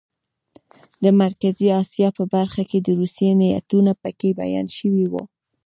د مرکزي اسیا په برخه کې د روسیې نیتونه پکې بیان شوي وو.